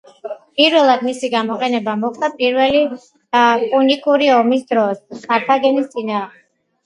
პირველად მისი გამოყენება მოხდა პირველი პუნიკური ომის დროს, კართაგენის წინააღმდეგ.